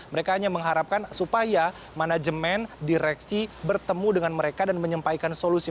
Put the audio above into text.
mereka hanya mengharapkan supaya manajemen direksi bertemu dengan mereka dan menyampaikan solusi